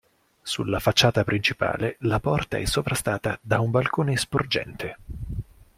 Sulla facciata principale, la porta è sovrastata da un balcone sporgente.